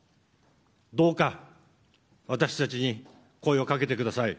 どうか、私たちに声をかけてください。